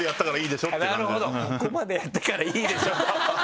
なるほど「ここまでやったからいいでしょ」。